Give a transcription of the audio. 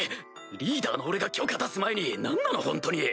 リーダーの俺が許可出す前に何なのホントに！